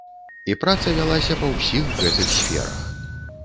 І праца вялася па ўсіх гэтых сферах.